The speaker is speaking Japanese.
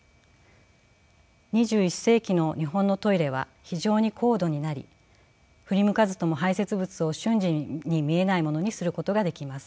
２１世紀の日本のトイレは非常に高度になり振り向かずとも排泄物を瞬時に見えないものにすることができます。